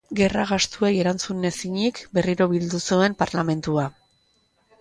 Gerra gastuei erantzun ezinik berriro bildu zuen Parlamentua.